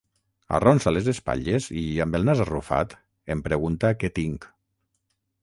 Arronsa les espatlles i, amb el nas arrufat, em pregunta què tinc.